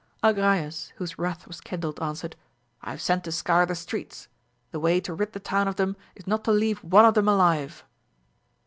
Agrayes, whose wrath was kindled, answered, I have sent to scour the streets ; the way to rid the town of them, is not to leave one of them alive.